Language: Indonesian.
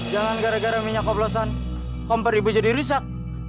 jangan gara gara minyak koplosan kompor ibu jadi riset